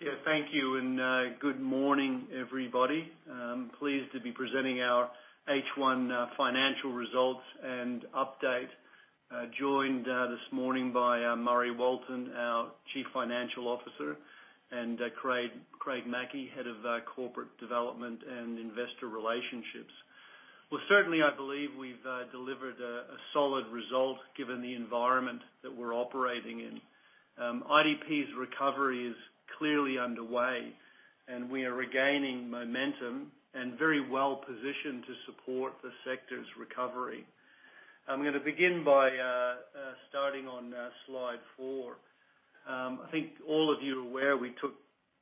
Yeah, thank you, good morning, everybody. I'm pleased to be presenting our H1 financial results and update, joined this morning by Murray Walton, our Chief Financial Officer, and Craig Mackey, Head of Corporate Development and Investor Relationships. Well, certainly, I believe we've delivered a solid result given the environment that we're operating in. IDP's recovery is clearly underway, and we are regaining momentum and very well-positioned to support the sector's recovery. I'm going to begin by starting on slide four. I think all of you are aware we took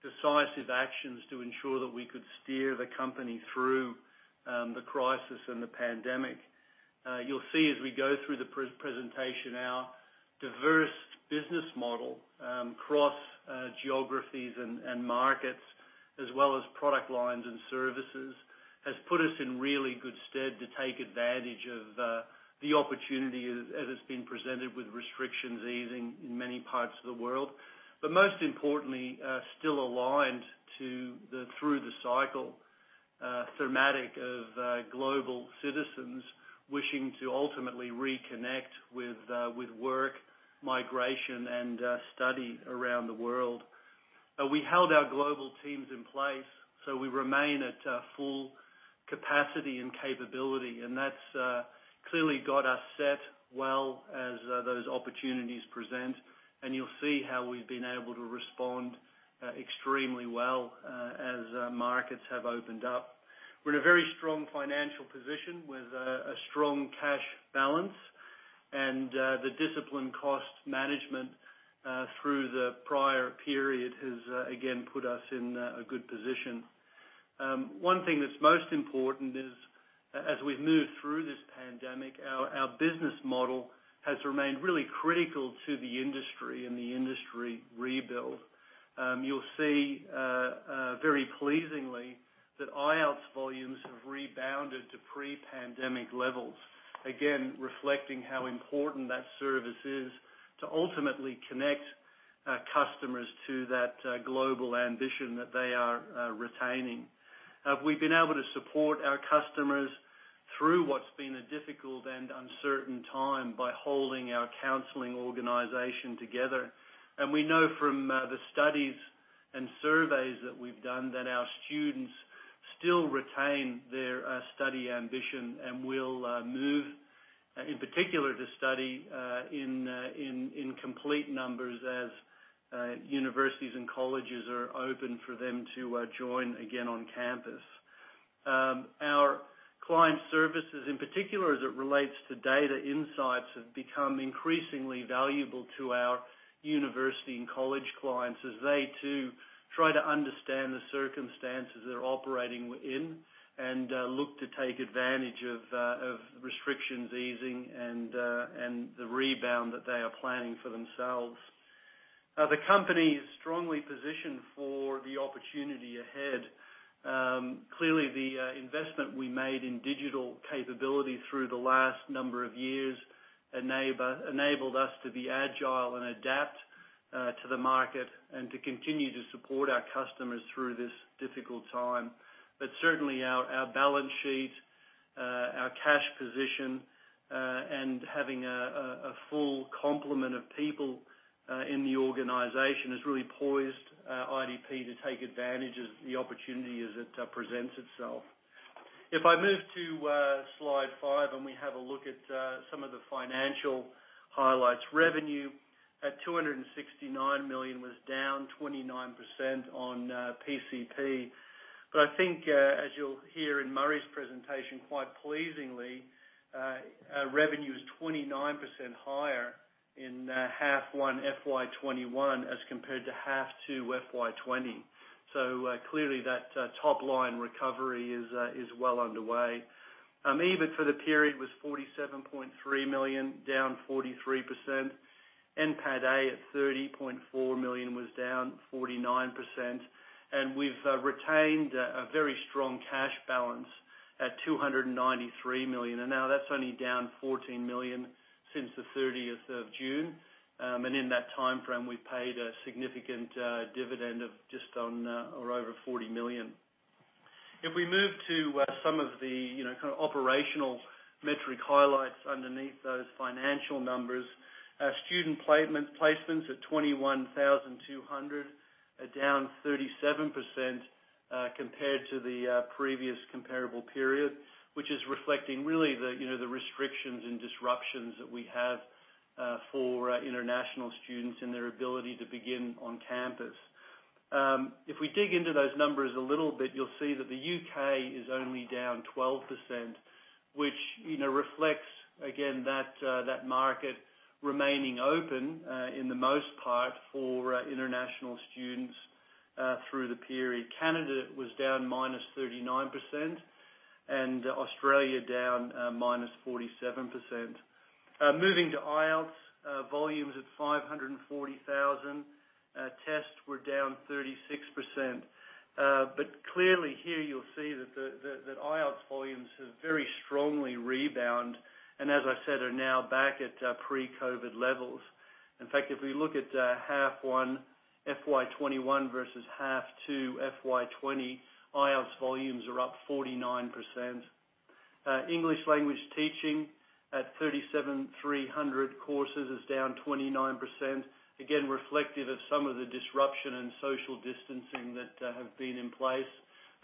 decisive actions to ensure that we could steer the company through the crisis and the pandemic. You'll see as we go through the presentation, our diverse business model across geographies and markets, as well as product lines and services, has put us in really good stead to take advantage of the opportunity as it's been presented, with restrictions easing in many parts of the world. Most importantly, still aligned through the cycle thematic of global citizens wishing to ultimately reconnect with work, migration, and study around the world. We held our global teams in place, so we remain at full capacity and capability, and that's clearly got us set well as those opportunities present. You'll see how we've been able to respond extremely well as markets have opened up. We're in a very strong financial position with a strong cash balance. The disciplined cost management through the prior period has, again, put us in a good position. One thing that's most important is, as we've moved through this pandemic, our business model has remained really critical to the industry and the industry rebuild. You'll see, very pleasingly, that IELTS volumes have rebounded to pre-pandemic levels, again, reflecting how important that service is to ultimately connect our customers to that global ambition that they are retaining. We've been able to support our customers through what's been a difficult and uncertain time by holding our counseling organization together. We know from the studies and surveys that we've done, that our students still retain their study ambition and will move, in particular, to study in complete numbers as universities and colleges are open for them to join again on campus. Our client services, in particular, as it relates to data insights, have become increasingly valuable to our university and college clients as they too try to understand the circumstances they're operating within and look to take advantage of restrictions easing and the rebound that they are planning for themselves. The company is strongly positioned for the opportunity ahead. Clearly, the investment we made in digital capability through the last number of years enabled us to be agile and adapt to the market and to continue to support our customers through this difficult time. Certainly, our balance sheet, our cash position, and having a full complement of people in the organization, has really poised IDP to take advantage of the opportunity as it presents itself. If I move to slide five and we have a look at some of the financial highlights, revenue at 269 million was down 29% on PCP. I think, as you'll hear in Murray's presentation, quite pleasingly, revenue is 29% higher in H1 FY 2021 as compared to H2 FY 2020. Clearly, that top-line recovery is well underway. EBIT for the period was 47.3 million, down 43%. NPATA at 30.4 million was down 49%. We've retained a very strong cash balance at 293 million, and now that's only down 14 million since June 30th. In that timeframe, we paid a significant dividend of just on or over 40 million. If we move to some of the kind of operational metric highlights underneath those financial numbers, our student placements at 21,200, are down 37% compared to the previous comparable period, which is reflecting really the restrictions and disruptions that we have for our international students and their ability to begin on campus. If we dig into those numbers a little bit, you'll see that the U.K. is only down 12%, which reflects, again, that market remaining open in the most part for international students through the period. Canada was down -39% and Australia down -47%. Moving to IELTS, volumes at 540,000. Tests were down 36%. Clearly here you'll see that IELTS volumes have very strongly rebound and, as I said, are now back at pre-COVID levels. In fact, if we look at H1 FY 2021 versus H2 FY 2020, IELTS volumes are up 49%. English language teaching at 3,700 courses is down 29%, again, reflective of some of the disruption and social distancing that have been in place.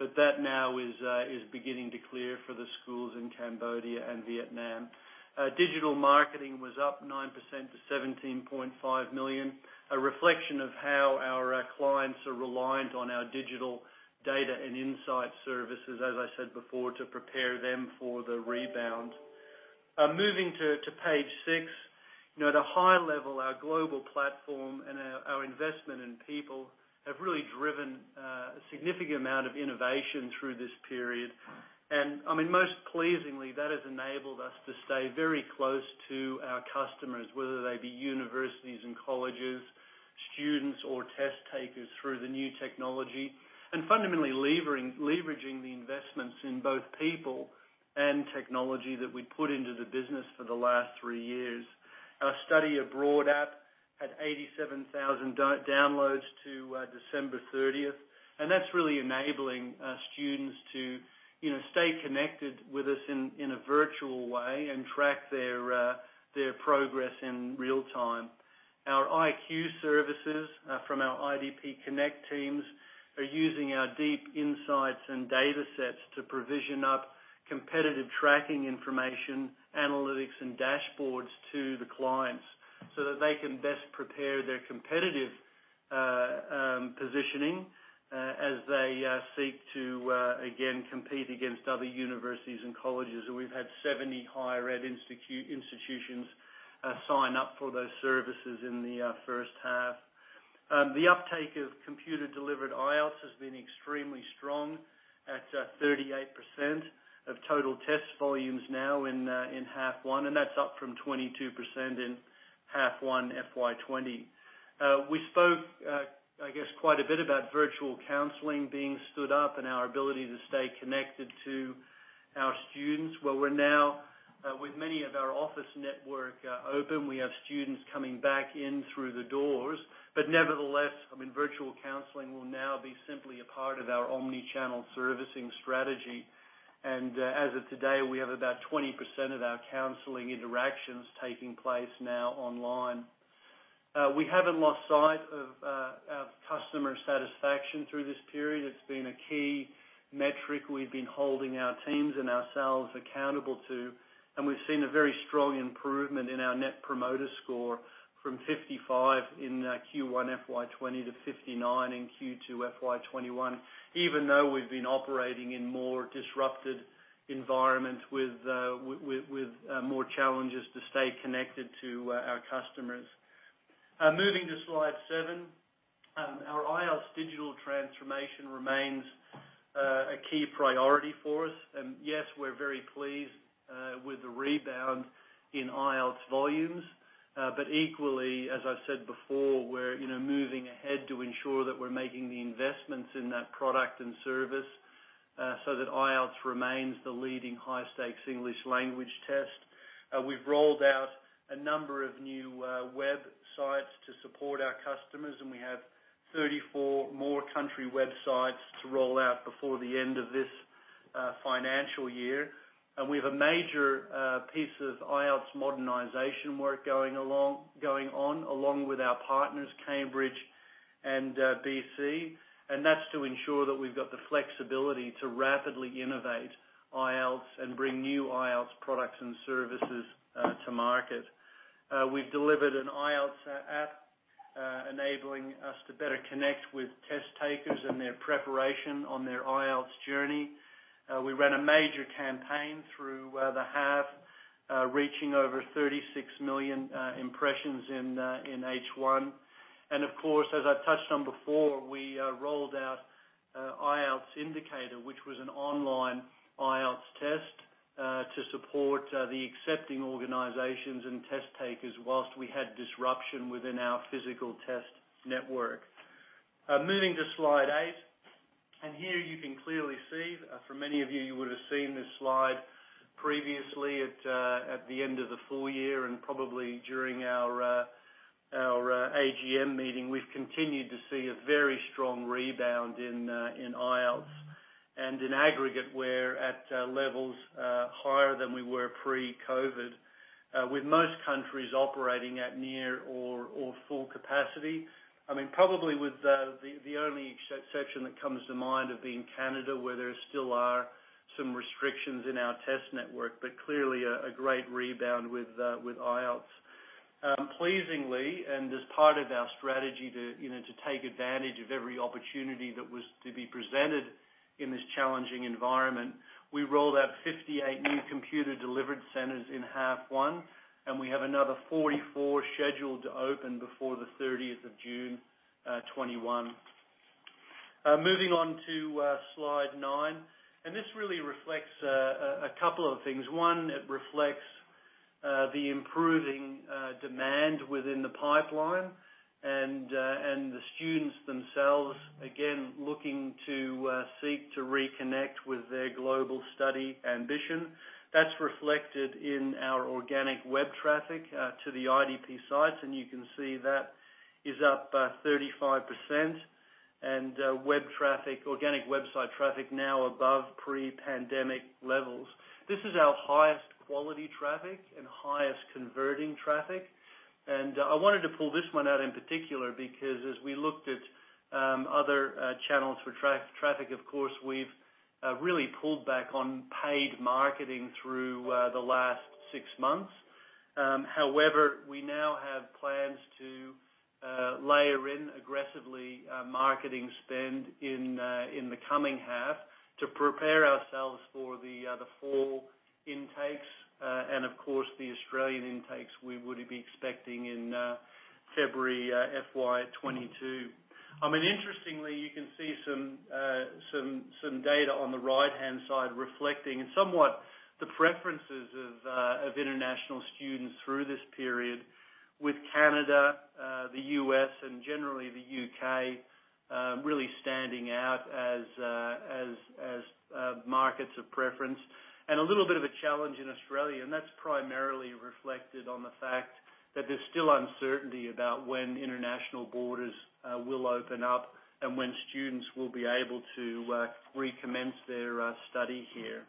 That now is beginning to clear for the schools in Cambodia and Vietnam. Digital marketing was up 9% to 17.5 million, a reflection of how our clients are reliant on our digital data and insight services, as I said before, to prepare them for the rebound. Moving to page six. At a high level, our global platform and our investment in people have really driven a significant amount of innovation through this period. Most pleasingly, that has enabled us to stay very close to our customers, whether they be universities and colleges, students, or test takers through the new technology. Fundamentally, leveraging the investments in both people and technology that we put into the business for the last three years. Our study abroad app had 87,000 downloads to December 30th. That's really enabling students to stay connected with us in a virtual way and track their progress in real-time. Our IQ services from our IDP Connect teams are using our deep insights and data sets to provision up competitive tracking information, analytics, and dashboards to the clients that they can best prepare their competitive positioning as they seek to, again, compete against other universities and colleges. We've had 70 higher ed institutions sign up for those services in the first half. The uptake of computer-delivered IELTS has been extremely strong at 38% of total test volumes now in H1, that's up from 22% in H1 FY 2020. We spoke, I guess, quite a bit about virtual counseling being stood up and our ability to stay connected to our students. With many of our office network open, we have students coming back in through the doors. Nevertheless, virtual counseling will now be simply a part of our omni-channel servicing strategy. As of today, we have about 20% of our counseling interactions taking place now online. We haven't lost sight of customer satisfaction through this period. It's been a key metric we've been holding our teams and ourselves accountable to, and we've seen a very strong improvement in our Net Promoter Score from 55 in Q1 FY 2020 to 59 in Q2 FY 2021, even though we've been operating in more disrupted environments with more challenges to stay connected to our customers. Moving to slide seven. Our IELTS digital transformation remains a key priority for us. Yes, we're very pleased with the rebound in IELTS volumes. Equally, as I've said before, we're moving ahead to ensure that we're making the investments in that product and service so that IELTS remains the leading high-stakes English language test. We've rolled out a number of new websites to support our customers. We have 34 more country websites to roll out before the end of this financial year. We have a major piece of IELTS modernization work going on along with our partners, Cambridge and BC. That's to ensure that we've got the flexibility to rapidly innovate IELTS and bring new IELTS products and services to market. We've delivered an IELTS app, enabling us to better connect with test takers and their preparation on their IELTS journey. We ran a major campaign through the half, reaching over 36 million impressions in H1. Of course, as I touched on before, we rolled out IELTS Indicator, which was an online IELTS test to support the accepting organizations and test takers whilst we had disruption within our physical test network. Moving to slide eight. Here you can clearly see, for many of you would have seen this slide previously at the end of the full-year and probably during our AGM meeting. We've continued to see a very strong rebound in IELTS. In aggregate, we're at levels higher than we were pre-COVID, with most countries operating at near or full capacity. Probably the only exception that comes to mind of being Canada, where there still are some restrictions in our test network, but clearly a great rebound with IELTS. Pleasingly, as part of our strategy to take advantage of every opportunity that was to be presented in this challenging environment, we rolled out 58 new computer-delivered centers in H1, and we have another 44 scheduled to open before June 30th, 2021. Moving on to slide nine, this really reflects a couple of things. One, it reflects the improving demand within the pipeline themselves, again, looking to seek to reconnect with their global study ambition. That's reflected in our organic web traffic to the IDP sites, and you can see that is up 35%, and organic website traffic now above pre-pandemic levels. This is our highest quality traffic and highest converting traffic. I wanted to pull this one out in particular because as we looked at other channels for traffic, of course, we've really pulled back on paid marketing through the last six months. However, we now have plans to layer in aggressively marketing spend in the coming half to prepare ourselves for the fall intakes, and of course, the Australian intakes we would be expecting in February FY 2022. Interestingly, you can see some data on the right-hand side reflecting in somewhat the preferences of international students through this period with Canada, the U.S., and generally the U.K., really standing out as markets of preference. A little bit of a challenge in Australia, and that's primarily reflected on the fact that there's still uncertainty about when international borders will open up and when students will be able to recommence their study here.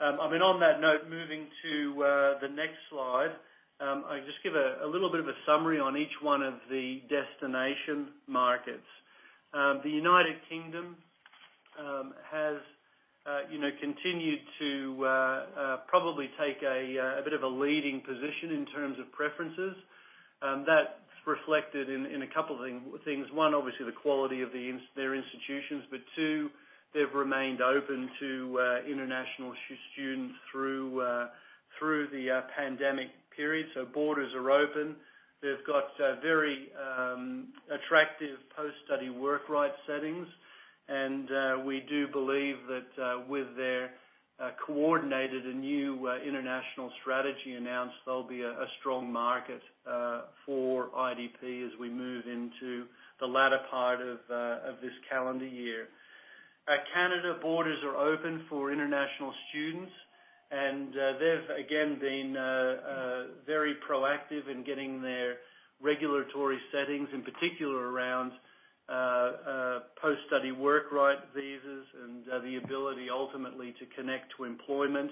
On that note, moving to the next slide. I'll just give a little bit of a summary on each one of the destination markets. The United Kingdom has continued to probably take a bit of a leading position in terms of preferences. That's reflected in a couple of things. One, obviously, the quality of their institutions. Two, they've remained open to international students through the pandemic period. Borders are open. They've got very attractive post-study work right settings. We do believe that with their coordinated and new international strategy announced, they'll be a strong market for IDP as we move into the latter part of this calendar year. Canada borders are open for international students, and they've again, been very proactive in getting their regulatory settings, in particular, around post-study work right visas and the ability ultimately to connect to employment.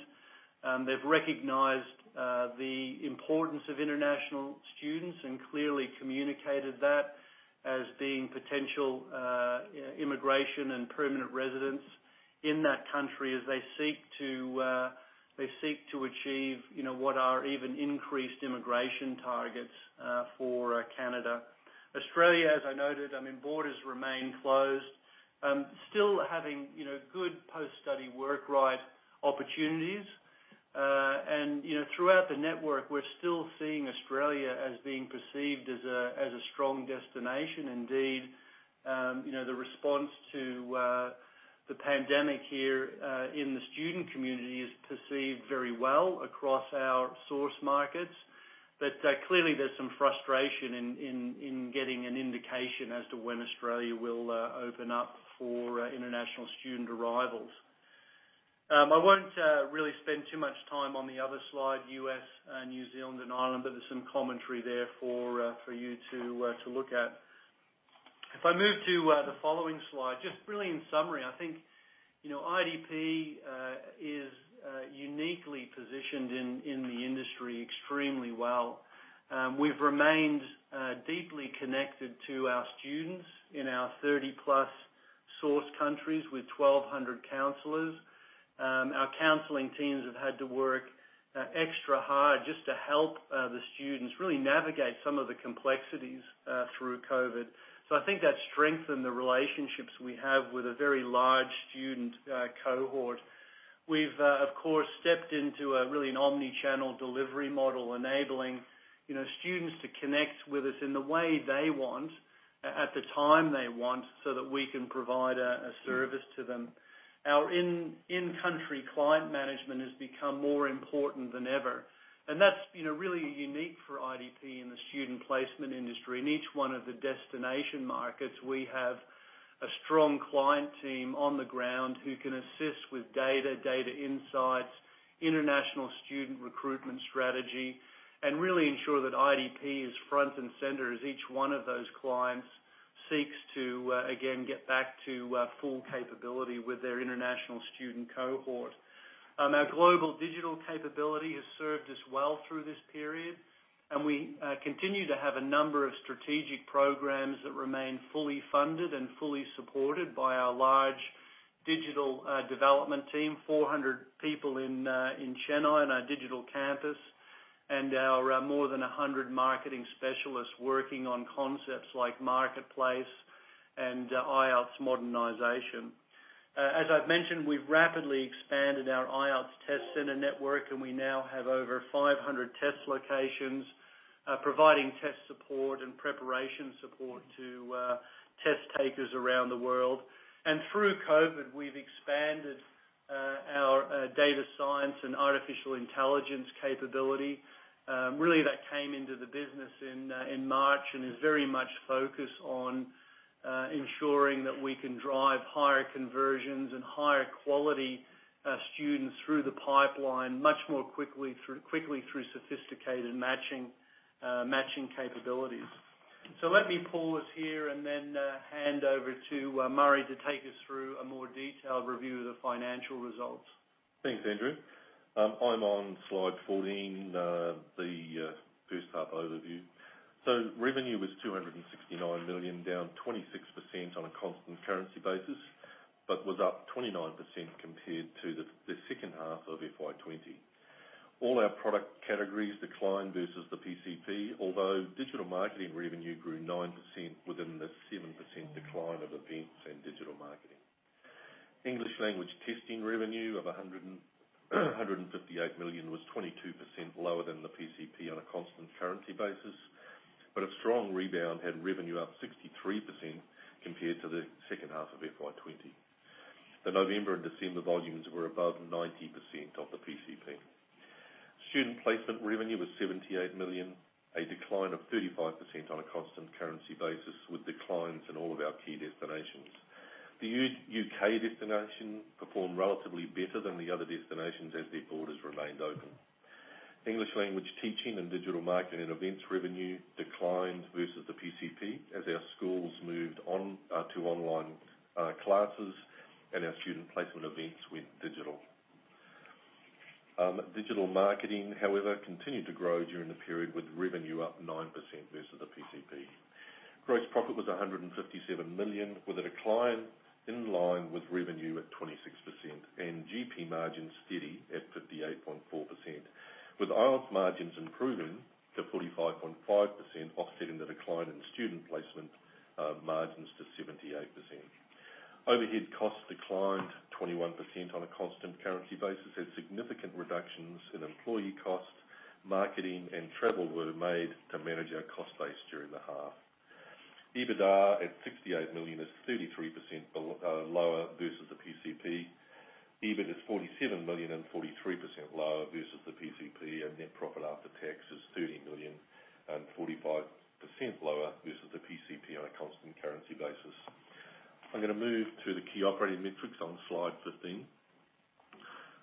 They've recognized the importance of international students and clearly communicated that as being potential immigration and permanent residents in that country as they seek to achieve what are even increased immigration targets for Canada. Australia, as I noted, borders remain closed, still having good post-study work right opportunities. Throughout the network, we're still seeing Australia as being perceived as a strong destination. Indeed, the response to the pandemic here in the student community is perceived very well across our source markets. Clearly, there's some frustration in getting an indication as to when Australia will open up for international student arrivals. I won't really spend too much time on the other slide, U.S., New Zealand, and Ireland, but there's some commentary there for you to look at. If I move to the following slide, just really in summary, I think IDP is uniquely positioned in the industry extremely well. We've remained deeply connected to our students in our 30+ source countries with 1,200 counselors. Our counseling teams have had to work extra hard just to help the students really navigate some of the complexities through COVID. I think that strengthened the relationships we have with a very large student cohort. We've, of course, stepped into really an omni-channel delivery model, enabling students to connect with us in the way they want, at the time they want, so that we can provide a service to them. Our in-country client management has become more important than ever. That's really unique for IDP in the student placement industry. In each one of the destination markets, we have a strong client team on the ground who can assist with data insights, international student recruitment strategy, and really ensure that IDP is front and center as each one of those clients seeks to, again, get back to full capability with their international student cohort. Our global digital capability has served us well through this period. We continue to have a number of strategic programs that remain fully funded and fully supported by our large digital development team, 400 people in Chennai in our digital campus, and our more than 100 marketing specialists working on concepts like marketplace and IELTS modernization. As I've mentioned, we've rapidly expanded our IELTS test center network. We now have over 500 test locations, providing test support and preparation support to test takers around the world. Through COVID, we've expanded data science and artificial intelligence capability. Really, that came into the business in March and is very much focused on ensuring that we can drive higher conversions and higher quality students through the pipeline much more quickly through sophisticated matching capabilities. Let me pause here and then hand over to Murray to take us through a more detailed review of the financial results. Thanks, Andrew. I'm on slide 14, the first half overview. Revenue was 269 million, down 26% on a constant currency basis, but was up 29% compared to the second half of FY 2020. All our product categories declined versus the PCP, although digital marketing revenue grew 9% within the 7% decline of events and digital marketing. English language testing revenue of 158 million was 22% lower than the PCP on a constant currency basis, but a strong rebound had revenue up 63% compared to the second half of FY 2020. The November and December volumes were above 90% of the PCP. Student placement revenue was 78 million, a decline of 35% on a constant currency basis with declines in all of our key destinations. The U.K. destination performed relatively better than the other destinations as their borders remained open. English language teaching and digital marketing events revenue declined versus the PCP as our schools moved to online classes and our student placement events went digital. Digital marketing, however, continued to grow during the period with revenue up 9% versus the PCP. Gross profit was 157 million, with a decline in line with revenue at 26%, and GP margins steady at 58.4%, with IELTS margins improving to 45.5%, offsetting the decline in student placement margins to 78%. Overhead costs declined 21% on a constant currency basis as significant reductions in employee costs, marketing, and travel were made to manage our cost base during the half. EBITDA at 68 million is 33% lower versus the PCP. EBIT is 47 million and 43% lower versus the PCP, and net profit after tax is 30 million and 45% lower versus the PCP on a constant currency basis. I'm going to move to the key operating metrics on slide 15.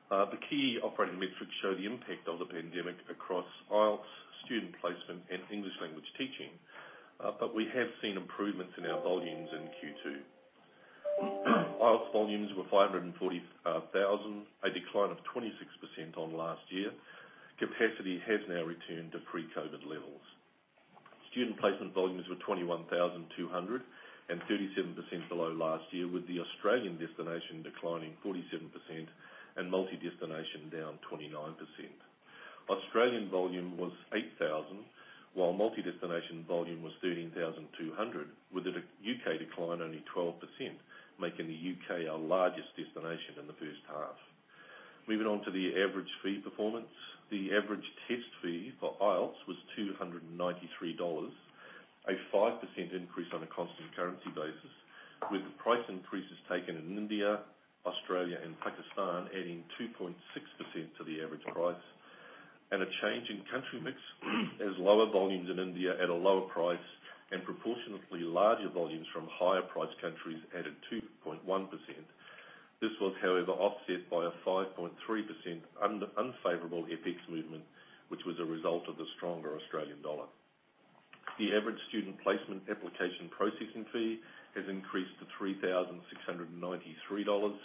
The key operating metrics show the impact of the pandemic across IELTS student placement and English language teaching, but we have seen improvements in our volumes in Q2. IELTS volumes were 540,000, a decline of 26% on last year. Capacity has now returned to pre-COVID levels. Student placement volumes were 21,200 and 37% below last year, with the Australian destination declining 47% and multi-destination down 29%. Australian volume was 8,000, while multi-destination volume was 13,200, with the U.K. decline only 12%, making the U.K. our largest destination in the first half. Moving on to the average fee performance. The average test fee for IELTS was 293 dollars, a 5% increase on a constant currency basis, with price increases taken in India, Australia and Pakistan adding 2.6% to the average price, and a change in country mix as lower volumes in India at a lower price and proportionately larger volumes from higher priced countries added 2.1%. This was, however, offset by a 5.3% unfavorable FX movement, which was a result of the stronger Australian dollar. The average student placement application processing fee has increased to 3,693 dollars,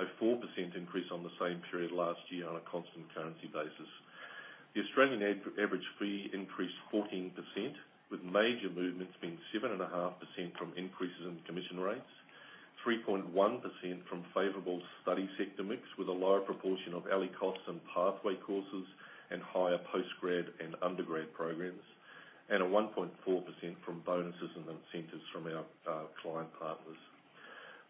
a 4% increase on the same period last year on a constant currency basis. The Australian average fee increased 14%, with major movements being 7.5% from increases in commission rates, 3.1% from favorable study sector mix with a lower proportion of ELICOS and pathway courses and higher postgrad and undergrad programs, and a 1.4% from bonuses and incentives from our client partners.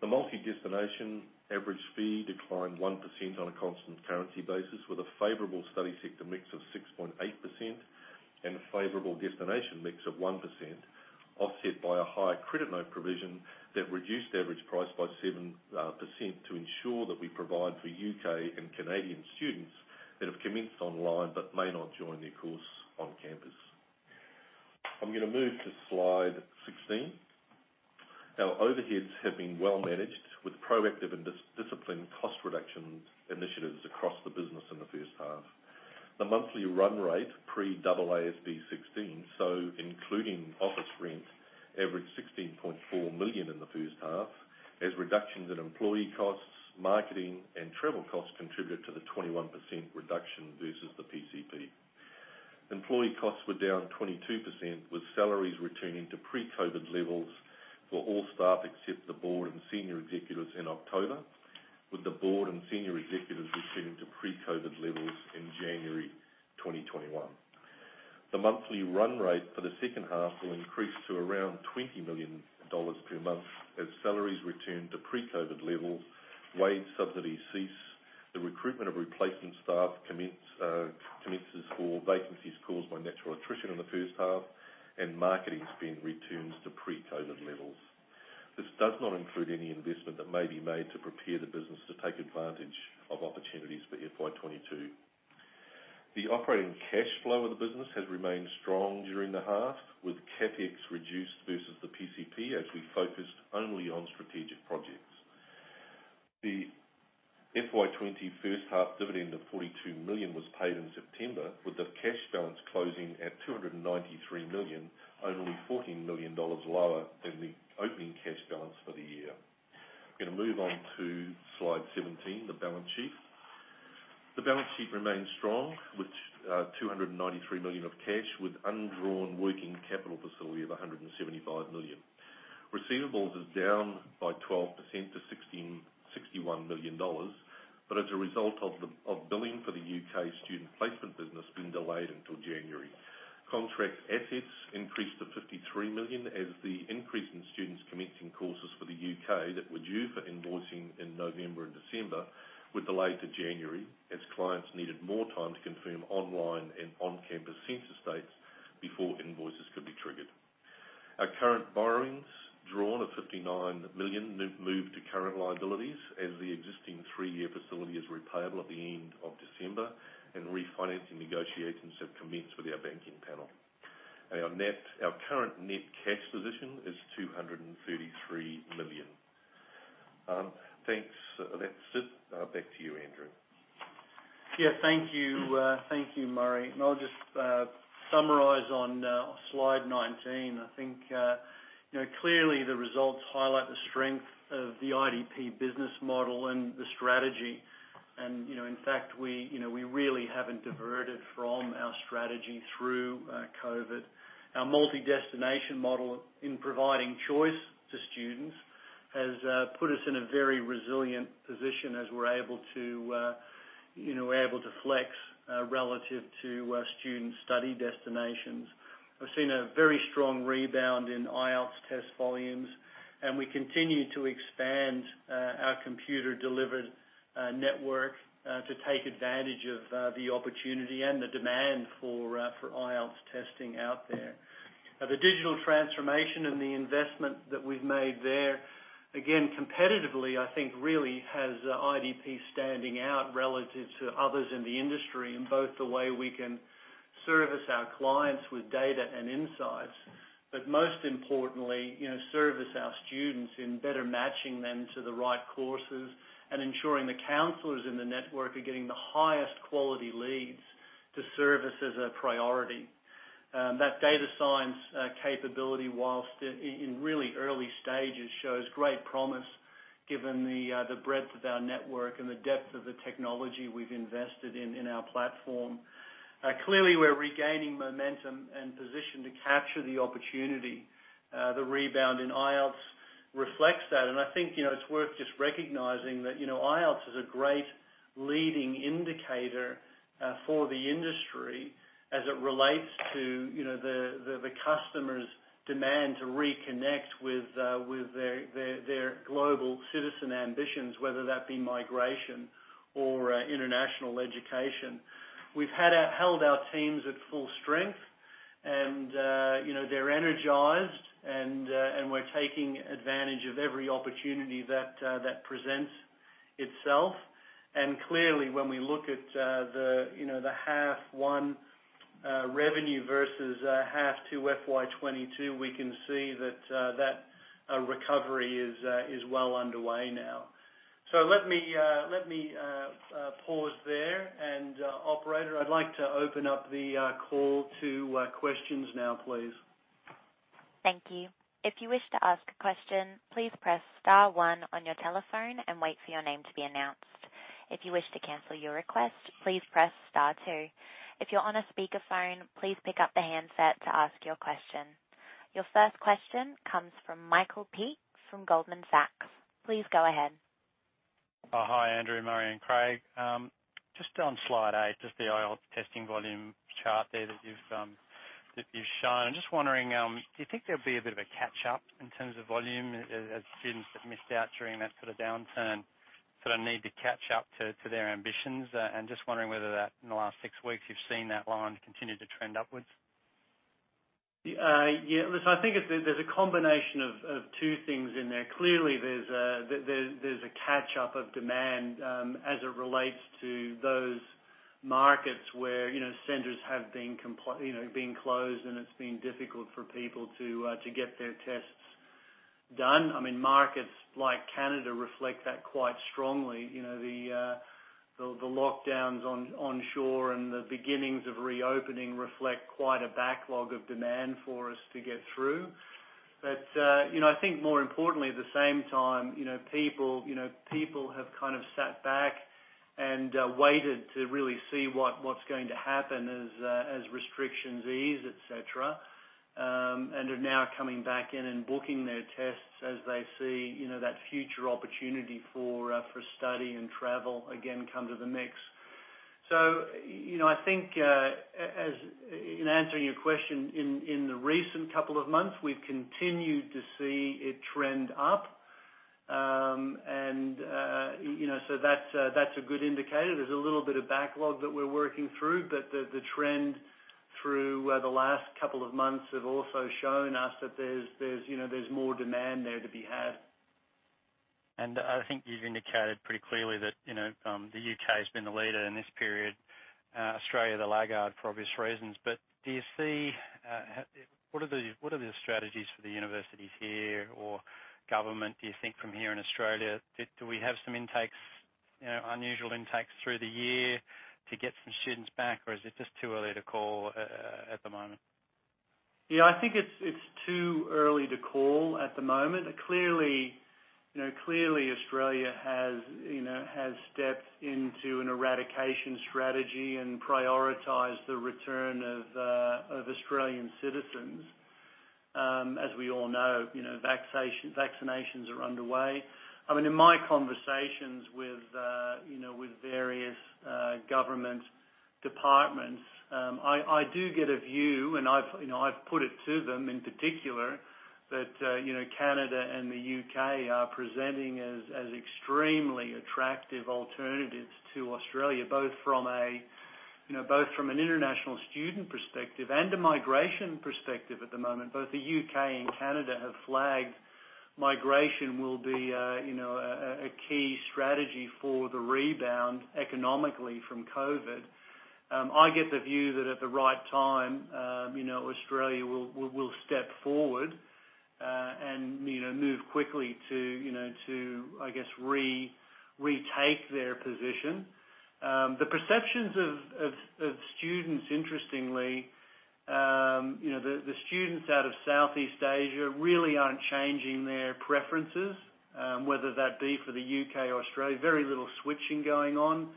The multi-destination average fee declined 1% on a constant currency basis with a favorable study sector mix of 6.8% and a favorable destination mix of 1%, offset by a higher credit note provision that reduced the average price by 7% to ensure that we provide for U.K. and Canadian students that have commenced online but may not join their course on campus. I'm going to move to slide 16. Our overheads have been well managed with proactive and disciplined cost reduction initiatives across the business in the first half. The monthly run rate pre AASB 16, so including office rent, averaged 16.4 million in the first half as reductions in employee costs, marketing, and travel costs contributed to the 21% reduction versus the PCP. Employee costs were down 22%, with salaries returning to pre-COVID levels for all staff except the board and senior executives in October, with the board and senior executives returning to pre-COVID levels in January 2021. The monthly run rate for the second half will increase to around 20 million dollars per month as salaries return to pre-COVID levels, wage subsidies cease, the recruitment of replacement staff commences for vacancies caused by natural attrition in the first half, and marketing spend returns to pre-COVID levels. This does not include any investment that may be made to prepare the business to take advantage of opportunities for FY 2022. The operating cash flow of the business has remained strong during the half, with CapEx reduced versus the PCP, as we focused only on strategic projects. The FY 2020 first half dividend of 42 million was paid in September, with the cash balance closing at 293 million, only AUD 14 million lower than the opening cash balance for the year. I'm going to move on to slide 17, the balance sheet. The balance sheet remains strong, with 293 million of cash with undrawn working capital facility of 175 million. Receivables is down by 12% to 61 million dollars, as a result of billing for the U.K. student placement business being delayed until January. Contract assets increased to 53 million as the increase in students commencing courses for the U.K. that were due for invoicing in November and December were delayed to January, as clients needed more time to confirm online and on-campus census dates before invoices could be triggered. Our current borrowings drawn of 59 million moved to current liabilities as the existing three-year facility is repayable at the end of December. Refinancing negotiations have commenced with our banking panel. Our current net cash position is 233 million. Thanks. That's it. Back to you, Andrew. Yeah. Thank you. Thank you, Murray. I'll just summarize on slide 19. I think clearly the results highlight the strength of the IDP business model and the strategy. In fact, we really haven't diverted from our strategy through COVID. Our multi-destination model in providing choice to students has put us in a very resilient position as we're able to flex relative to student study destinations. We've seen a very strong rebound in IELTS test volumes, and we continue to expand our computer-delivered network to take advantage of the opportunity and the demand for IELTS testing out there. The digital transformation and the investment that we've made there, again, competitively, I think really has IDP standing out relative to others in the industry in both the way we can service our clients with data and insights, but most importantly, service our students in better matching them to the right courses and ensuring the counselors in the network are getting the highest quality leads to service as a priority. That data science capability, whilst in really early stages, shows great promise given the breadth of our network and the depth of the technology we've invested in in our platform. Clearly, we're regaining momentum and position to capture the opportunity. The rebound in IELTS reflects that. I think, it's worth just recognizing that IELTS is a great leading indicator for the industry as it relates to the customer's demand to reconnect with their global citizen ambitions, whether that be migration or international education. We've held our teams at full strength and they're energized and we're taking advantage of every opportunity that presents itself. Clearly, when we look at the H1 revenue versus H2 FY 2022, we can see that recovery is well underway now. Let me pause there. Operator, I'd like to open up the call to questions now, please. Your first question comes from Michael Peet from Goldman Sachs. Please go ahead. Hi, Andrew, Murray, and Craig. Just on slide eight, just the IELTS testing volume chart there that you've shown. I'm just wondering, do you think there'll be a bit of a catch-up in terms of volume as students that missed out during that sort of downturn, sort of need to catch up to their ambitions, and just wondering whether that, in the last six weeks, you've seen that line continue to trend upwards? Yeah, listen, I think there's a combination of two things in there. Clearly, there's a catch-up of demand as it relates to those markets where centers have been closed and it's been difficult for people to get their tests done. I mean, markets like Canada reflect that quite strongly. The lockdowns onshore and the beginnings of reopening reflect quite a backlog of demand for us to get through. I think more importantly, at the same time, people have kind of sat back and waited to really see what's going to happen as restrictions ease, etc. They are now coming back in and booking their tests as they see that future opportunity for study and travel again come to the mix. I think, in answering your question, in the recent couple of months, we've continued to see it trend up. That's a good indicator. There's a little bit of backlog that we're working through, but the trend through the last couple of months have also shown us that there's more demand there to be had. I think you've indicated pretty clearly that the U.K. has been the leader in this period, Australia, the laggard, for obvious reasons. What are the strategies for the universities here or government, do you think from here in Australia? Do we have some unusual intakes through the year to get some students back, or is it just too early to call at the moment? Yeah, I think it's too early to call at the moment. Clearly, Australia has stepped into an eradication strategy and prioritized the return of Australian citizens. As we all know, vaccinations are underway. In my conversations with various government departments, I do get a view and I've put it to them in particular that Canada and the U.K. are presenting as extremely attractive alternatives to Australia, both from an international student perspective and a migration perspective at the moment. Both the U.K. and Canada have flagged migration will be a key strategy for the rebound economically from COVID. I get the view that at the right time, Australia will step forward and move quickly to I guess retake their position. The perceptions of students, interestingly, the students out of Southeast Asia really aren't changing their preferences, whether that be for the U.K. or Australia. Very little switching going on.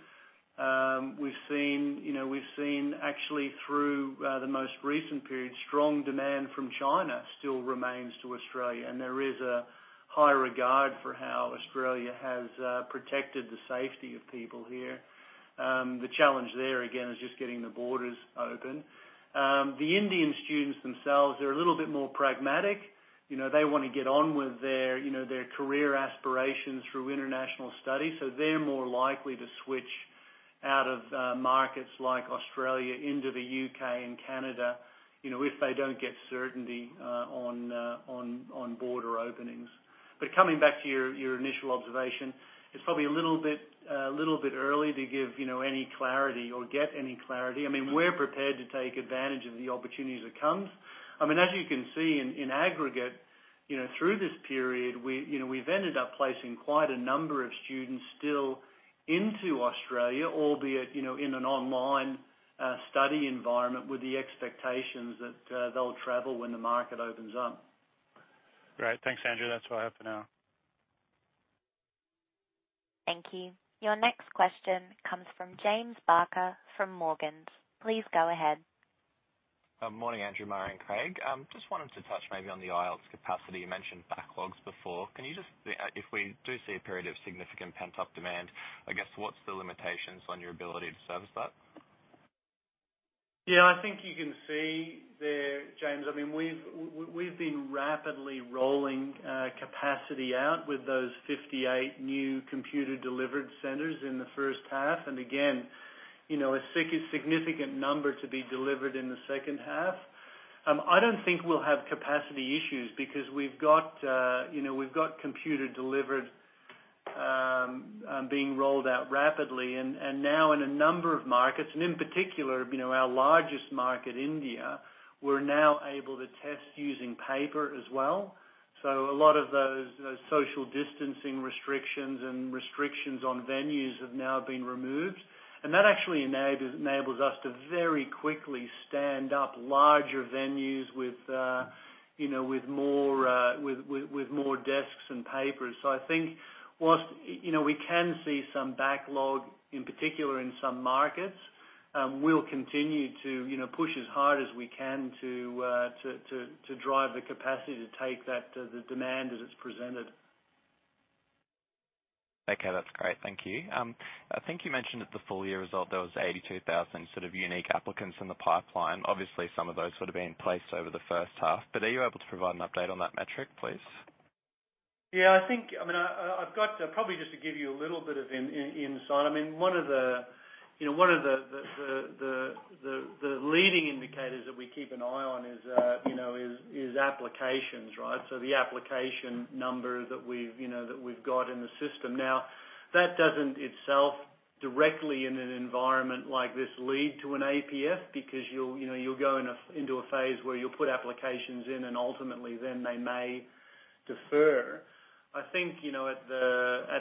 We've seen actually through the most recent period, strong demand from China still remains to Australia. There is a high regard for how Australia has protected the safety of people here. The challenge there again is just getting the borders open. The Indian students themselves are a little bit more pragmatic. They want to get on with their career aspirations through international studies, so they're more likely to switch out of markets like Australia into the U.K. and Canada, if they don't get certainty on border openings. Coming back to your initial observation, it's probably a little bit early to give any clarity or get any clarity. We're prepared to take advantage of the opportunities that comes. As you can see in aggregate, through this period, we've ended up placing quite a number of students still into Australia, albeit, in an online study environment with the expectations that they'll travel when the market opens up. Great. Thanks, Andrew. That's all I have for now. Thank you. Your next question comes from James Barker from Morgans. Please go ahead. Morning, Andrew, Murray and Craig. Just wanted to touch maybe on the IELTS capacity. You mentioned backlogs before. If we do see a period of significant pent-up demand, I guess what's the limitations on your ability to service that? I think you can see there, James, we've been rapidly rolling capacity out with those 58 new computer-delivered centers in the first half, and again, a significant number to be delivered in the second half. I don't think we'll have capacity issues because we've got computer-delivered being rolled out rapidly and now in a number of markets, and in particular, our largest market, India, we're now able to test using paper as well. A lot of those social distancing restrictions and restrictions on venues have now been removed. That actually enables us to very quickly stand up larger venues with more desks and papers. I think whilst we can see some backlog, in particular in some markets, we'll continue to push as hard as we can to drive the capacity to take the demand as it's presented. Okay. That's great. Thank you. I think you mentioned at the full-year result, there was 82,000 sort of unique applicants in the pipeline. Obviously, some of those would have been placed over the first half, but are you able to provide an update on that metric, please? Yeah, probably just to give you a little bit of insight. One of the leading indicators that we keep an eye on is applications. The application number that we've got in the system. Now, that doesn't itself directly in an environment like this lead to an APF because you'll go into a phase where you'll put applications in and ultimately then they may defer. I think, at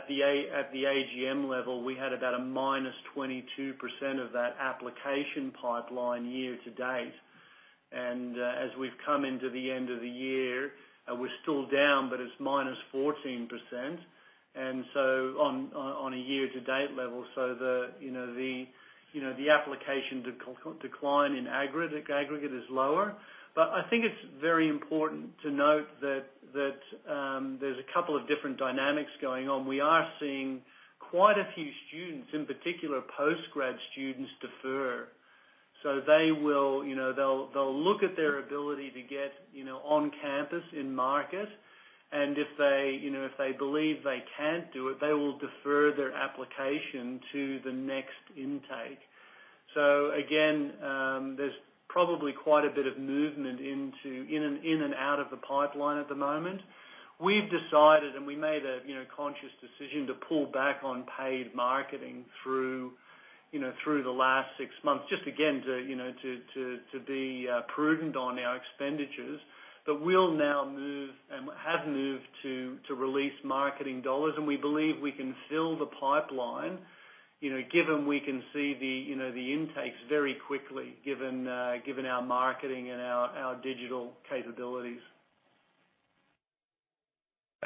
the AGM level, we had about a -22% of that application pipeline year-to-date. As we've come into the end of the year, we're still down, but it's -14% on a year-to-date level. The application decline in aggregate is lower. I think it's very important to note that there's a couple of different dynamics going on. We are seeing quite a few students, in particular post-grad students, defer. They'll look at their ability to get on campus in market, and if they believe they can't do it, they will defer their application to the next intake. Again, there's probably quite a bit of movement in and out of the pipeline at the moment. We've decided, and we made a conscious decision to pull back on paid marketing through the last six months, just again, to be prudent on our expenditures. We'll now move, and have moved to release marketing dollars, and we believe we can fill the pipeline, given we can see the intakes very quickly, given our marketing and our digital capabilities.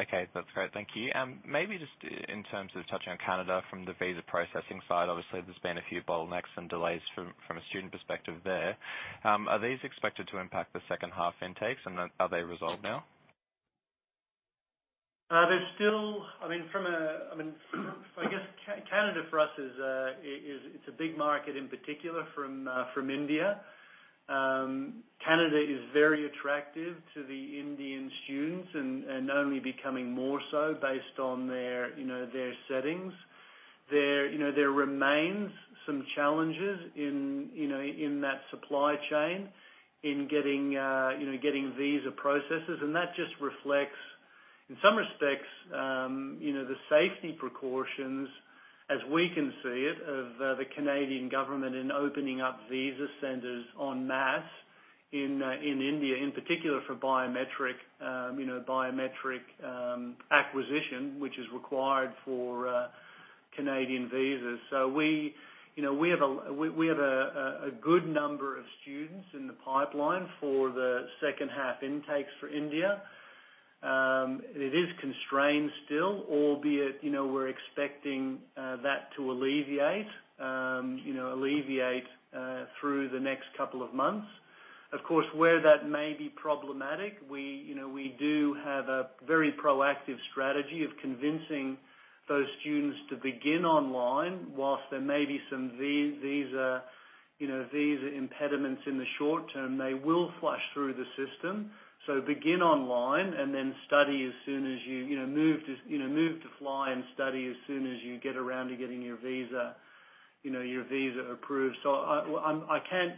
Okay. That's great. Thank you. Maybe just in terms of touching on Canada from the visa processing side, obviously, there's been a few bottlenecks and delays from a student perspective there. Are these expected to impact the second half intakes, and are they resolved now? I guess, Canada for us is a big market, in particular from India. Canada is very attractive to the Indian students and only becoming more so based on their settings. There remains some challenges in that supply chain in getting visa processes, and that just reflects, in some respects, the safety precautions, as we can see it, of the Canadian government in opening up visa centers en masse in India, in particular for biometric acquisition, which is required for Canadian visas. We have a good number of students in the pipeline for the second half intakes for India. It is constrained still, albeit we're expecting that to alleviate through the next couple of months. Of course, where that may be problematic, we do have a very proactive strategy of convincing those students to begin online. Whilst there may be some visa impediments in the short term, they will flush through the system. Begin online, and then move to fly and study as soon as you get around to getting your visa approved. I can't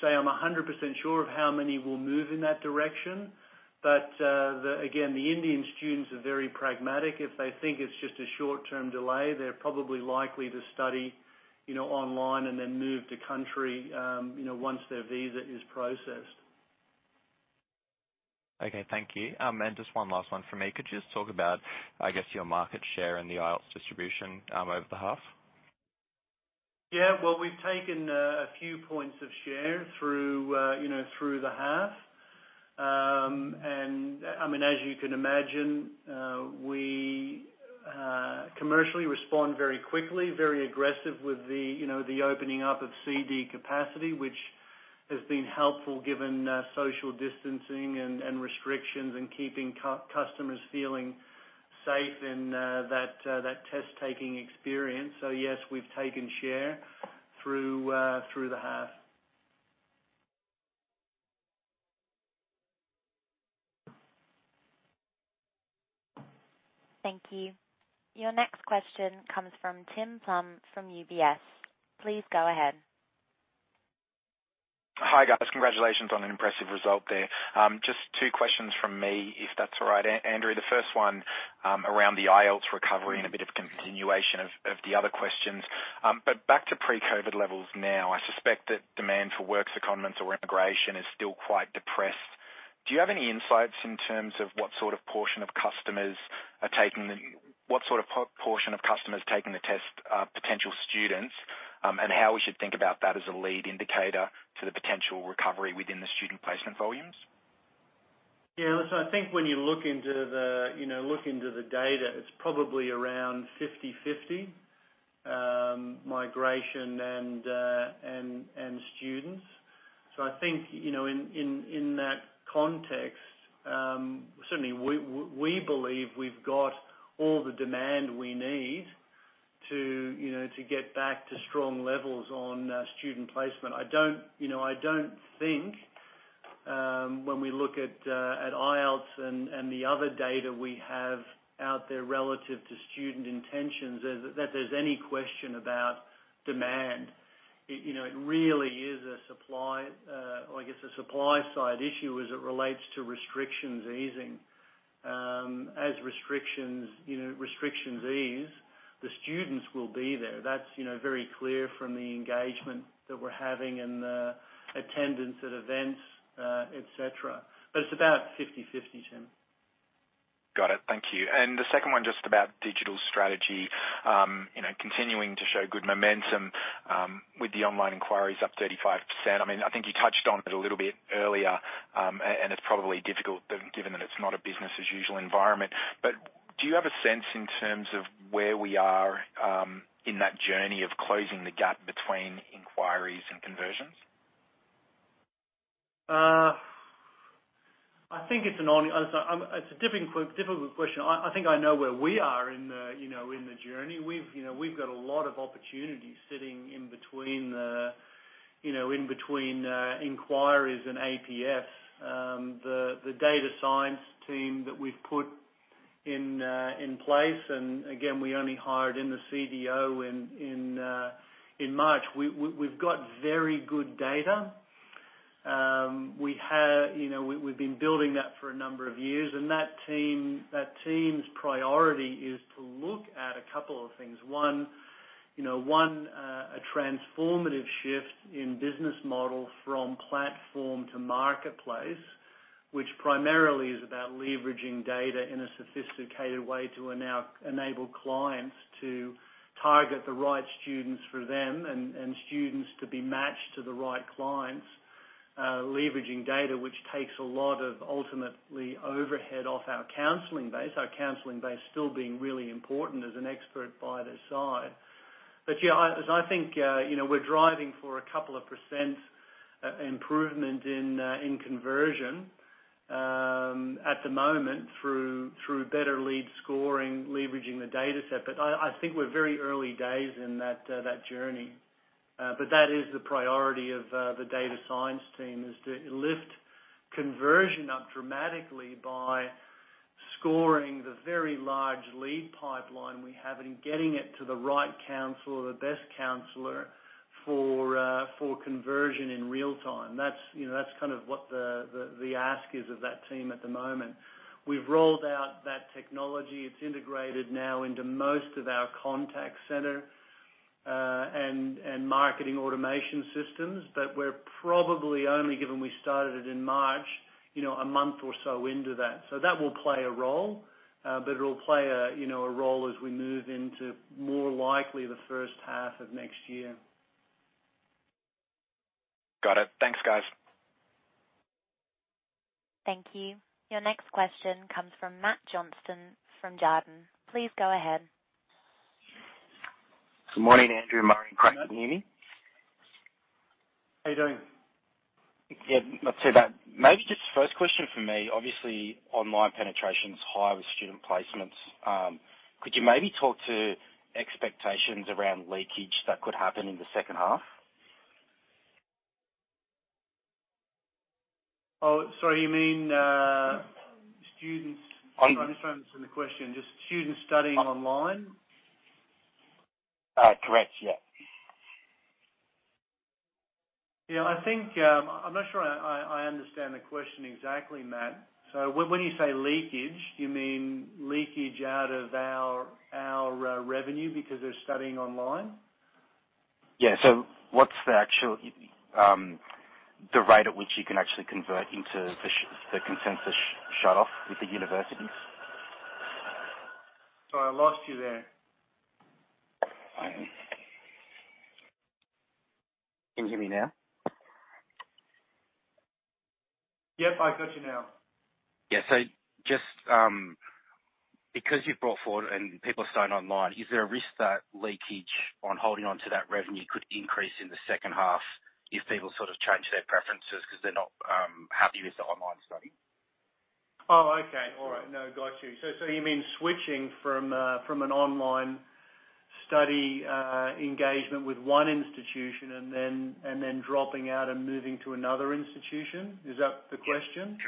say I'm 100% sure of how many will move in that direction. Again, the Indian students are very pragmatic. If they think it's just a short-term delay, they're probably likely to study online and then move to country once their visa is processed. Okay, thank you. Just one last one from me. Could you just talk about, I guess, your market share and the IELTS distribution over the half? Well, we've taken a few points of share through the half. As you can imagine, we commercially respond very quickly, very aggressively with the opening up of CD capacity, which has been helpful given social distancing and restrictions and keeping customers feeling safe in that test-taking experience. Yes, we've taken share through the half. Thank you. Your next question comes from Tim Plumbe from UBS. Please go ahead. Hi, guys. Congratulations on an impressive result there. Just two questions from me, if that's all right. Andrew, the first one around the IELTS recovery and a bit of a continuation of the other questions. Back to pre-COVID levels now, I suspect that demand for work secondments or immigration is still quite depressed. Do you have any insights in terms of what sort of portion of customers taking the test are potential students, and how we should think about that as a lead indicator to the potential recovery within the student placement volumes? Yeah. Listen, I think when you look into the data, it's probably around 50/50, migration and students. I think, in that context, certainly, we believe we've got all the demand we need to get back to strong levels on student placement. I don't think, when we look at IELTS and the other data we have out there relative to student intentions, that there's any question about demand. It really is, I guess, a supply side issue as it relates to restrictions easing. As restrictions ease, the students will be there. That's very clear from the engagement that we're having and the attendance at events, etc. It's about 50/50, Tim. Got it, thank you. The second one just about digital strategy. Continuing to show good momentum with the online inquiries up 35%. I think you touched on it a little bit earlier, and it's probably difficult given that it's not a business as usual environment. Do you have a sense in terms of where we are in that journey of closing the gap between inquiries and conversions? I think it's a difficult question. I think I know where we are in the journey, we've got a lot of opportunities sitting in between inquiries and APFs. The data science team that we've put in place, and again, we only hired in the CDO in March. We've got very good data. We've been building that for a number of years, and that team's priority is to look at a couple of things. One, a transformative shift in business model from platform to marketplace, which primarily is about leveraging data in a sophisticated way to now enable clients to target the right students for them and students to be matched to the right clients. Leveraging data, which takes a lot of ultimately overhead off our counseling base, our counseling base still being really important as an expert by their side. As I think, we're driving for a couple of percent improvement in conversion at the moment through better lead scoring, leveraging the data set. I think we're very early days in that journey. That is the priority of the data science team, is to lift conversion up dramatically by scoring the very large lead pipeline we have and getting it to the right counselor, the best counselor for conversion in real-time. That's kind of what the ask is of that team at the moment. We've rolled out that technology, it's integrated now into most of our contact center, and marketing automation systems. We're probably only, given we started it in March, a month or so into that. That will play a role, but it'll play a role as we move into more likely the first half of next year. Got it. Thanks, guys. Thank you. Your next question comes from Matt Johnston from Jarden. Please go ahead. Good morning, Andrew, Murray, Craig, can you hear me? How you doing? Yeah, not too bad. Maybe just first question from me, obviously, online penetration is high with student placements. Could you maybe talk to expectations around leakage that could happen in the second half? Sorry, you mean students? I'm just trying to understand the question. Just students studying online? Correct, yeah. Yeah, I'm not sure I understand the question exactly, Matt. When you say leakage, you mean leakage out of our revenue because they're studying online? Yeah, what's the rate at which you can actually convert into the consensus shut off with the universities? Sorry, I lost you there. Can you hear me now? Yep, I've got you now. Just because you've brought forward and people are studying online, is there a risk that leakage on holding onto that revenue could increase in the second half if people sort of change their preferences because they're not happy with the online study? Okay, all right. No, got you. You mean switching from an online study engagement with one institution and then dropping out and moving to another institution? Is that the question?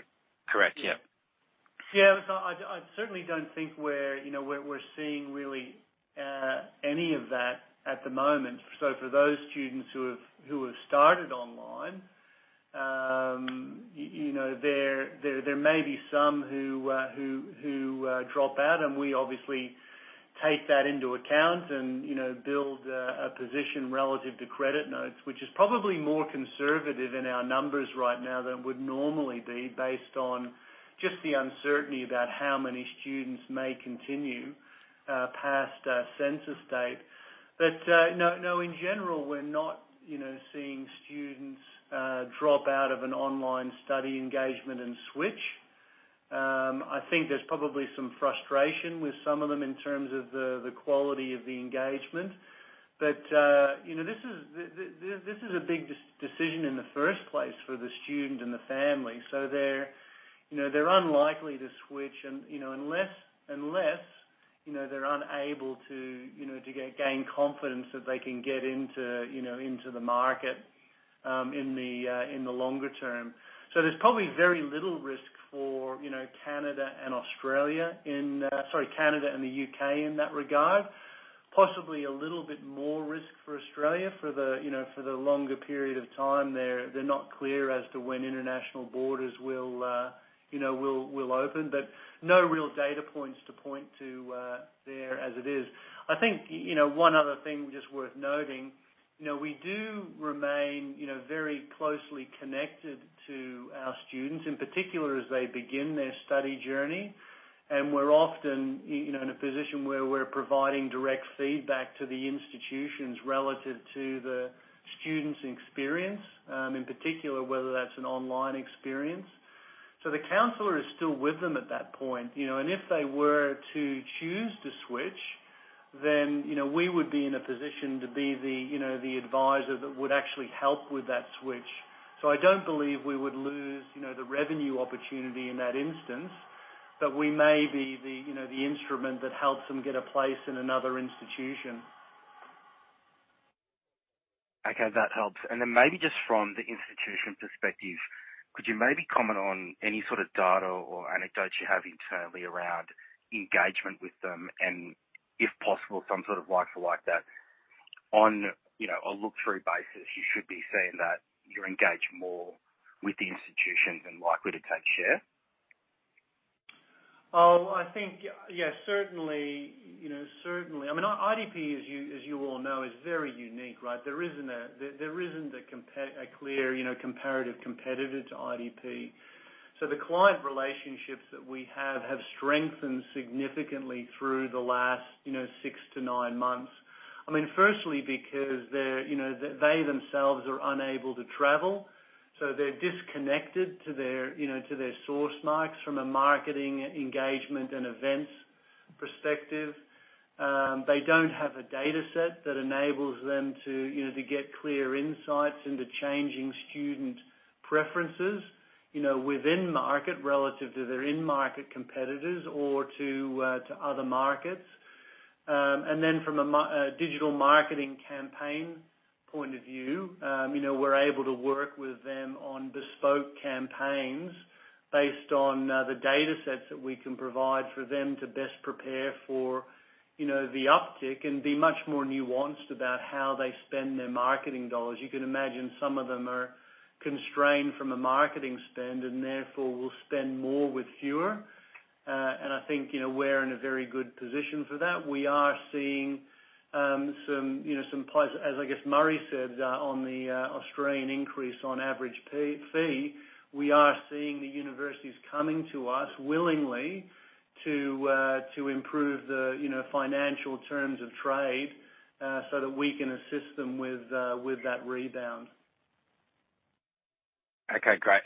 Correct. Yep. I certainly don't think we're seeing really any of that at the moment. For those students who have started online, there may be some who drop out, and we obviously take that into account and build a position relative to credit notes, which is probably more conservative in our numbers right now than would normally be based on just the uncertainty about how many students may continue past census date. No, in general, we're not seeing students drop out of an online study engagement and switch. I think there's probably some frustration with some of them in terms of the quality of the engagement. This is a big decision in the first place for the student and the family. They're unlikely to switch unless they're unable to gain confidence that they can get into the market in the longer term. There's probably very little risk for Canada and the U.K. in that regard. Possibly a little bit more risk for Australia for the longer period of time. They're not clear as to when international borders will open, but no real data points to point to there as it is. I think one other thing just worth noting, we do remain very closely connected to our students, in particular as they begin their study journey. We're often in a position where we're providing direct feedback to the institutions relative to the students' experience, in particular, whether that's an online experience. The counselor is still with them at that point. If they were to choose to switch, then we would be in a position to be the advisor that would actually help with that switch. I don't believe we would lose the revenue opportunity in that instance. We may be the instrument that helps them get a place in another institution. Okay, that helps. Maybe just from the institution perspective, could you maybe comment on any sort of data or anecdotes you have internally around engagement with them, and if possible, some sort of like-for-like data on a look-through basis, you should be seeing that you're engaged more with the institutions and likely to take share? I think, yes, certainly. IDP, as you all know, is very unique, right? There isn't a clear comparative competitor to IDP. The client relationships that we have have strengthened significantly through the last six to nine months. Firstly, because they themselves are unable to travel, so they're disconnected to their source markets from a marketing engagement and events perspective. They don't have a data set that enables them to get clear insights into changing student preferences within market relative to their in-market competitors or to other markets. From a digital marketing campaign point of view, we're able to work with them on bespoke campaigns based on the data sets that we can provide for them to best prepare for the uptick and be much more nuanced about how they spend their marketing dollars. You can imagine some of them are constrained from a marketing spend and therefore will spend more with fewer. I think we're in a very good position for that. We are seeing some places, as I guess Murray said, on the Australian increase on average fee, we are seeing the universities coming to us willingly to improve the financial terms of trade, so that we can assist them with that rebound. Okay, great.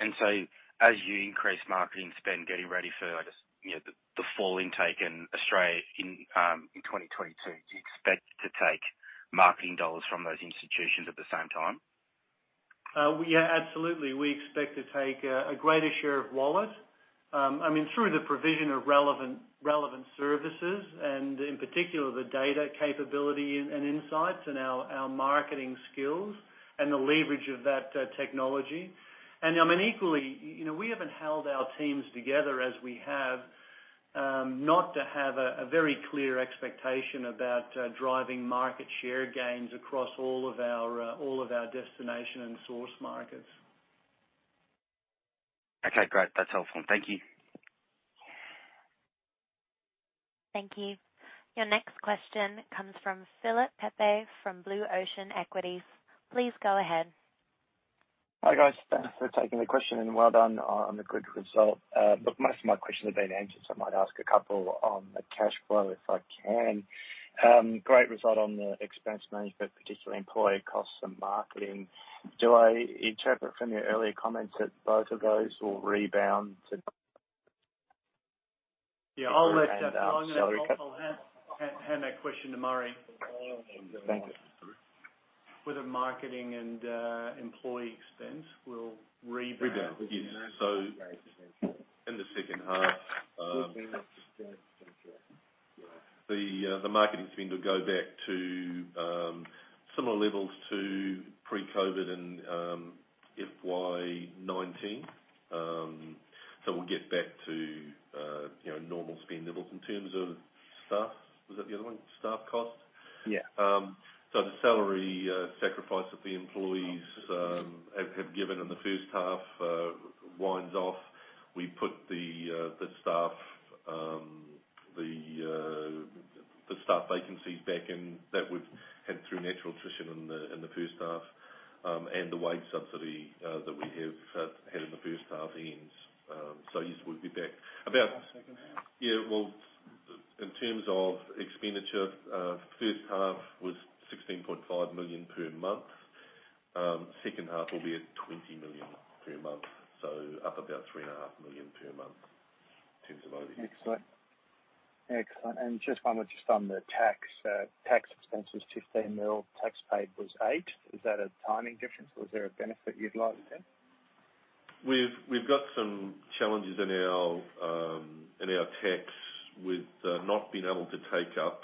As you increase marketing spend, getting ready for the fall intake in Australia in 2022, do you expect to take marketing dollars from those institutions at the same time? Yeah, absolutely. We expect to take a greater share of wallet. Through the provision of relevant services and in particular the data capability and insights and our marketing skills and the leverage of that technology. Equally, we haven't held our teams together as we have, not to have a very clear expectation about driving market share gains across all of our destination and source markets. Okay, great. That is helpful. Thank you. Thank you. Your next question comes from Philip Pepe from Blue Ocean Equities. Please go ahead. Hi, guys. Thanks for taking the question and well done on the good result. Most of my questions have been answered, so I might ask a couple on the cash flow if I can. Great result on the expense management, particularly employee costs and marketing. Do I interpret from your earlier comments that both of those will rebound to? Thank you. Yeah, I'll hand that question to Murray. Whether marketing and employee expense will rebound? Rebound? Yes. In the second half, the marketing spend will go back to similar levels to pre-COVID in FY 2019. We'll get back to normal spend levels. In terms of staff, was that the other one? Staff costs? Yeah. The salary sacrifice that the employees have given in the first half winds off. We put the staff vacancies back in that we've had through natural attrition in the first half, and the wage subsidy that we have had in the first half ends. Yes, we'll be back. About the second half? Yeah. Well, in terms of expenditure, first half was 16.5 million per month. Second half will be at 20 million per month. Up about 3.5 million per month in terms of overhead. Excellent. Just one more just on the tax. Tax expense was 15 million, tax paid was 8 million. Is that a timing difference or is there a benefit you'd like to take? We've got some challenges in our tax with not being able to take up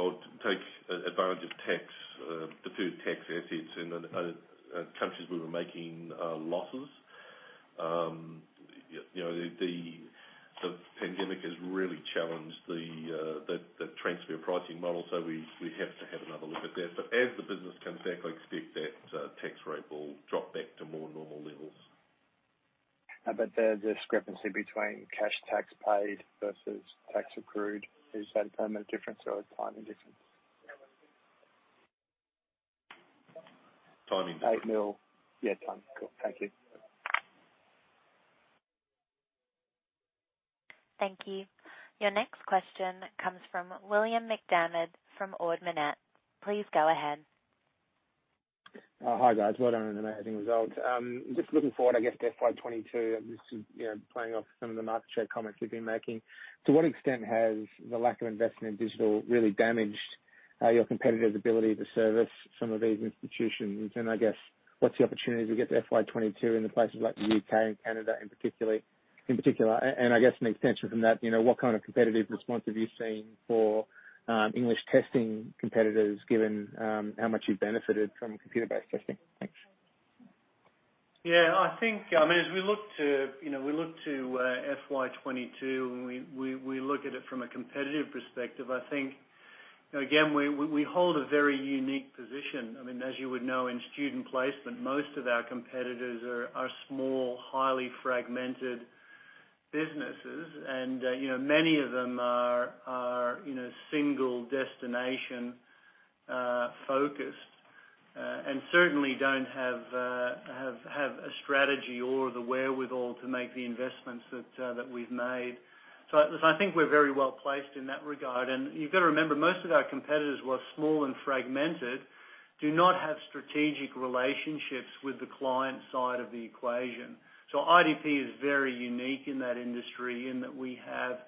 or take advantage of deferred tax assets in the countries we were making losses. The pandemic has really challenged the transfer pricing model. We have to have another look at that. As the business comes back, I expect that tax rate will drop back to more normal levels. The discrepancy between cash tax paid versus tax accrued, is that a permanent difference or a timing difference? Timing difference. 8 million. Yeah, timing. Cool. Thank you. Thank you. Your next question comes from William MacDiarmid from Ord Minnett. Please go ahead. Hi, guys. Well done on an amazing result. Just looking forward, I guess, to FY 2022. This is playing off some of the market share comments you've been making. To what extent has the lack of investment in digital really damaged your competitive ability to service some of these institutions? I guess, what's the opportunity to get to FY 2022 in places like the U.K. and Canada in particular? I guess an extension from that, what kind of competitive response have you seen for English testing competitors, given how much you've benefited from computer-delivered IELTS? Thanks. Yeah. As we look to FY 2022, when we look at it from a competitive perspective, I think, again, we hold a very unique position. As you would know, in student placement, most of our competitors are small, highly fragmented businesses. Many of them are single-destination-focused and certainly don't have a strategy or the wherewithal to make the investments that we've made. I think we're very well-placed in that regard. You've got to remember, most of our competitors, who are small and fragmented, do not have strategic relationships with the client side of the equation. IDP is very unique in that industry in that we have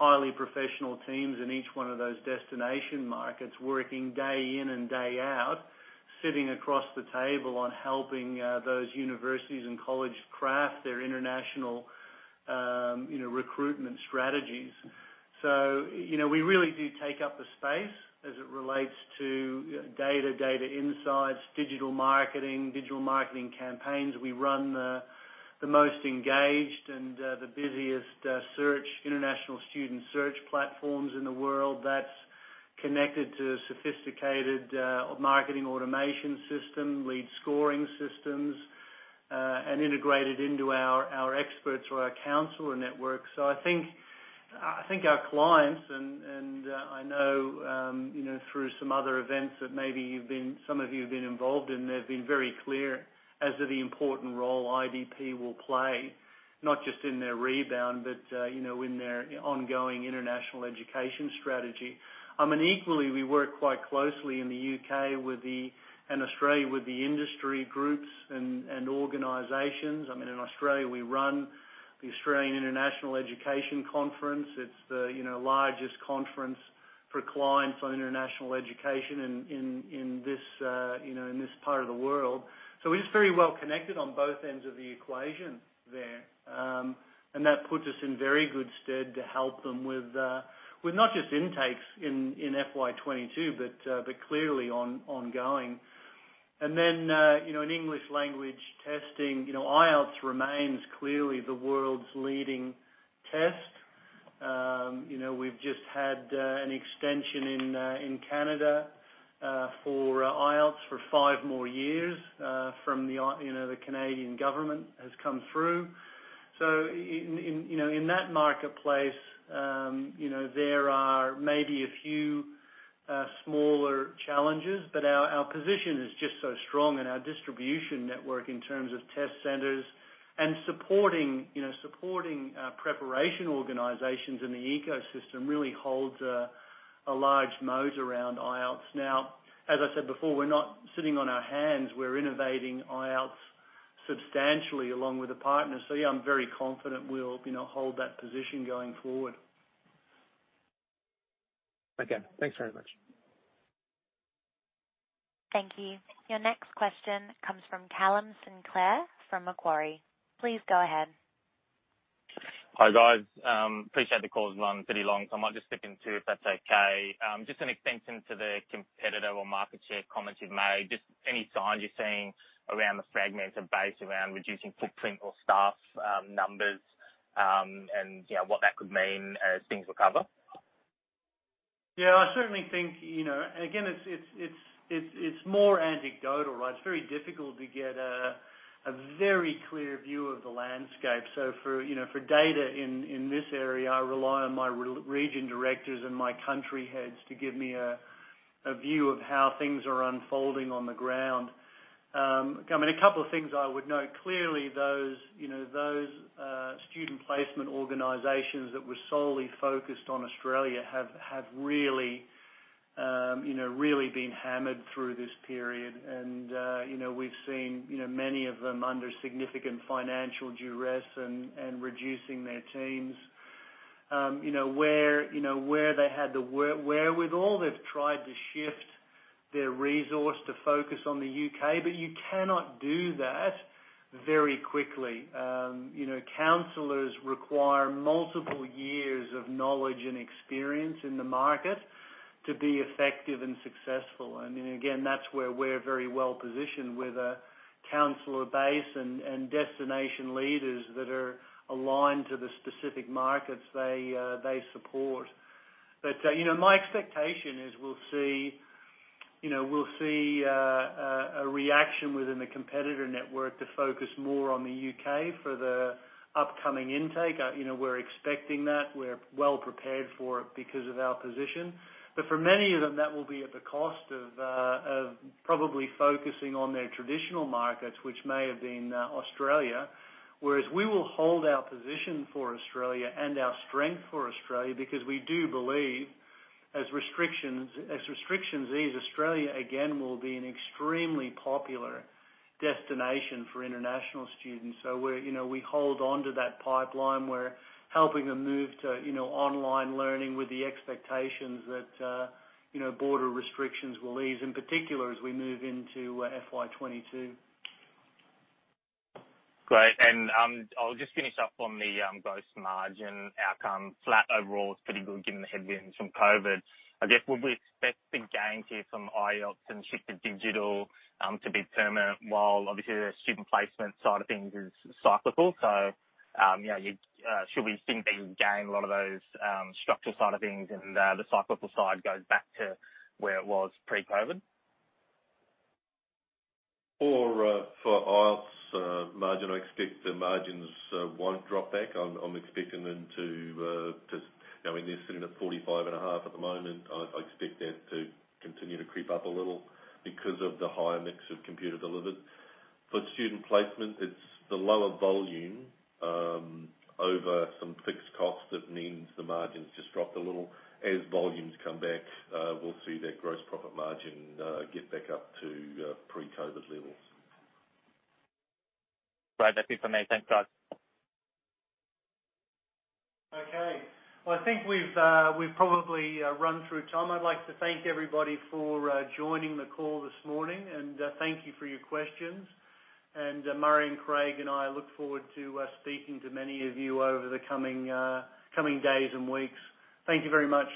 highly professional teams in each one of those destination markets working day in and day out, sitting across the table on helping those universities and colleges craft their international recruitment strategies. We really do take up the space as it relates to data insights, digital marketing, digital marketing campaigns. We run the most engaged and the busiest international student search platforms in the world that's connected to a sophisticated marketing automation system, lead scoring systems, and integrated into our experts or our counselor network. I think our clients, and I know through some other events that maybe some of you have been involved in, they've been very clear as to the important role IDP will play, not just in their rebound but in their ongoing international education strategy. Equally, we work quite closely in the U.K. and Australia with the industry groups and organizations. In Australia, we run the Australian International Education Conference. It's the largest conference for clients on international education in this part of the world. We're just very well-connected on both ends of the equation there. That puts us in very good stead to help them with not just intakes in FY 2022, but clearly ongoing. Then, in English language testing, IELTS remains clearly the world's leading test. We've just had an extension in Canada for IELTS for five more years from the Canadian government has come through. In that marketplace, there are maybe a few smaller challenges, but our position is just so strong and our distribution network in terms of test centers and supporting preparation organizations in the ecosystem really holds a large moat around IELTS. As I said before, we're not sitting on our hands. We're innovating IELTS substantially along with the partners. Yeah, I'm very confident we'll hold that position going forward. Okay, thanks very much. Thank you. Your next question comes from Callum Sinclair from Macquarie. Please go ahead. Hi, guys. Appreciate the call as well. I'm pretty long, so I might just stick in two, if that's okay. Just an extension to the competitor or market share comments you've made, just any signs you're seeing around the fragmented base around reducing footprint or staff numbers, and what that could mean as things recover? I certainly think, again, it's more anecdotal, right? It's very difficult to get a very clear view of the landscape. For data in this area, I rely on my region directors and my country heads to give me a view of how things are unfolding on the ground. A couple of things I would note. Clearly, those student placement organizations that were solely focused on Australia have really been hammered through this period. We've seen many of them under significant financial duress and reducing their teams. Where they had the wherewithal, they've tried to shift their resource to focus on the U.K., but you cannot do that very quickly. Counselors require multiple years of knowledge and experience in the market to be effective and successful. Again, that's where we're very well-positioned with a counselor base and destination leaders that are aligned to the specific markets they support. My expectation is we'll see a reaction within the competitor network to focus more on the U.K. for the upcoming intake. We're expecting that. We're well prepared for it because of our position. For many of them, that will be at the cost of probably focusing on their traditional markets, which may have been Australia. Whereas we will hold our position for Australia and our strength for Australia because we do believe as restrictions ease, Australia, again, will be an extremely popular destination for international students. We hold onto that pipeline. We're helping them move to online learning with the expectations that border restrictions will ease, in particular, as we move into FY 2022. Great, I'll just finish up on the gross margin outcome. Flat overall is pretty good given the headwinds from COVID. I guess, would we expect the gains here from IELTS and shift to digital to be permanent? While obviously the student placement side of things is cyclical. Should we think that you gain a lot of those structural side of things and the cyclical side goes back to where it was pre-COVID? For IELTS margin, I expect the margins won't drop back. I'm expecting them to They're sitting at 45.5% at the moment. I expect that to continue to creep up a little because of the higher mix of computer-delivered. For student placement, it's the lower volume over some fixed costs that means the margins just dropped a little. As volumes come back, we'll see that gross profit margin get back up to pre-COVID levels. Great, that's it for me. Thanks, guys. Okay. Well, I think we've probably run through time. I'd like to thank everybody for joining the call this morning, and thank you for your questions. Murray and Craig and I look forward to speaking to many of you over the coming days and weeks. Thank you very much.